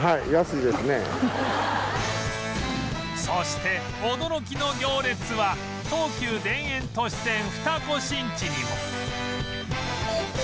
そして驚きの行列は東急田園都市線二子新地にも